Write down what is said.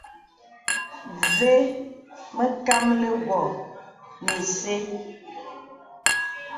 Və mə kàməlì wɔ̀ nə isə.